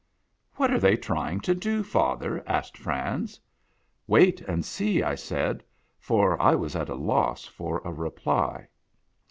" What are they trying to do, father ?" asked Franz. " Wait and see," I said, for I was at a loss for a reply.